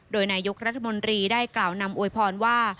โดยนายกรัฐมนตรีได้กล่าวนำอวยพรว่า